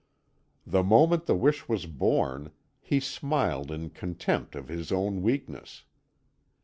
The moment the wish was born, he smiled in contempt of his own weakness.